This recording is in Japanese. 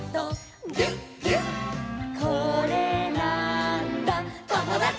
「これなーんだ『ともだち！』」